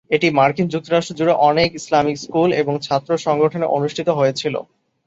এটি মার্কিন যুক্তরাষ্ট্র জুড়ে অনেক ইসলামি স্কুল এবং ছাত্র সংগঠনে অনুষ্ঠিত হয়েছিল।